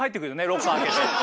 ロッカー開けて。